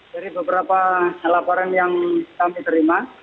dari beberapa laporan yang kami terima